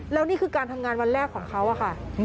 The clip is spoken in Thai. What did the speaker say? แล้วนี่คือการทำงานวันแรกของเขาอะค่ะ